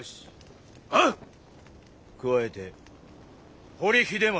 加えて堀秀政。